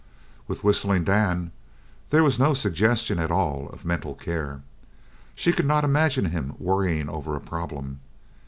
With Whistling Dan there was no suggestion at all of mental care. She could not imagine him worrying over a problem.